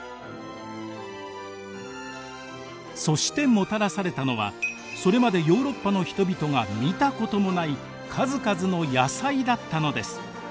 そしてもたらされたのはそれまでヨーロッパの人々が見たこともない数々の野菜だったのです。